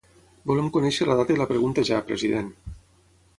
Volem conèixer la data i la pregunta ja, president.